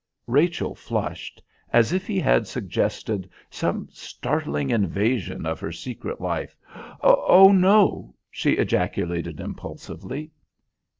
Rachel flushed, as if he had suggested some startling invasion of her secret life. "Oh! no," she ejaculated impulsively.